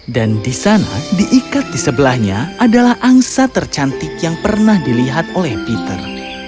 dan di sana diikat di sebelahnya adalah angsa tercantik yang pernah dilihat oleh peter